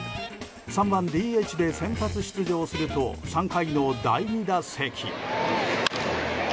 ３番ＤＨで先発出場すると３回の第２打席。